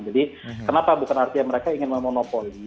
jadi kenapa bukan artinya mereka ingin memonopoli